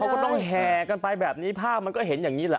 เขาก็ต้องแห่กันไปแบบนี้ภาพมันก็เห็นอย่างนี้แหละ